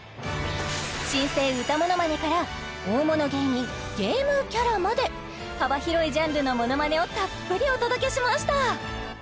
新星歌ものまねから大物芸人ゲームキャラまで幅広いジャンルのものまねをたっぷりお届けしました